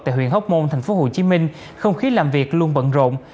tại huyện hóc môn thành phố hồ chí minh không khí làm việc luôn bận rộn